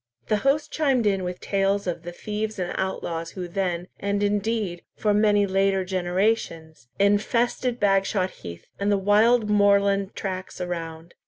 The host chimed in with tales of the thieves and outlaws who then, and indeed for many later generations, infested Bagshot heath, and the wild moorland tracks around.